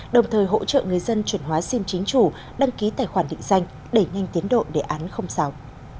đồng thời hỗ trợ người dân chuyển hóa xin chính chủ đăng ký tài khoản định danh đẩy nhanh tiến độ để án không xảo